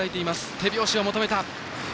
手拍子を求めた。